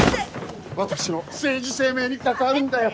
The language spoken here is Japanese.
私の政治生命に関わるんだよ。